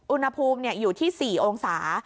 อุณหภูมิอยู่ที่๔องศา